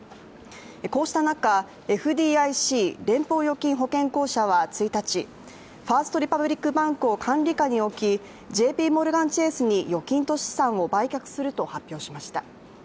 こうした中、ＦＤＩＣ＝連邦預金保険公社は１日、ファースト・リパブリック・バンクを管理下に置きＪＰモルガン・チェースに預金と資産を売却すると発表しました。